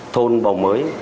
thôn bầu mới